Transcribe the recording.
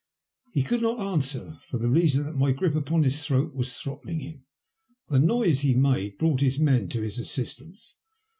He could not answer, for the reason that my grip upon his throat was throttling him. But the noise he made brought his men to his assistance.